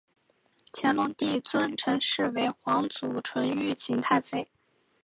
乾隆帝尊陈氏为皇祖纯裕勤太妃。